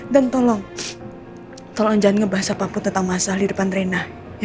dan tolong tolong jangan ngebahas apapun tentang masalah di depan rena